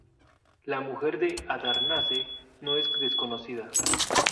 La mujer de Adarnase nos es desconocida.